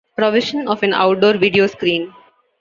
Provision of an outdoor video screen.